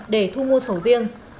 để thu mua sầu riêng